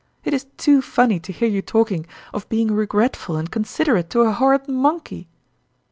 " It is too funny to hear you talking of being regretful and considerate to a horrid monkey